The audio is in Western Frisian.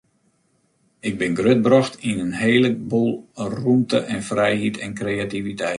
Ik bin grutbrocht yn in hele boel rûmte en frijheid en kreativiteit.